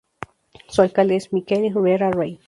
Su Alcalde es Miquel Riera Rey.